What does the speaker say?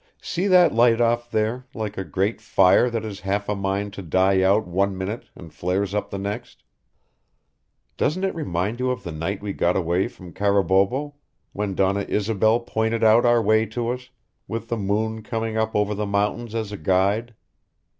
"See that light off there, like a great fire that has half a mind to die out one minute and flares up the next? Doesn't it remind you of the night we got away from Carabobo, when Donna Isobel pointed out our way to us, with the moon coming up over the mountains as a guide?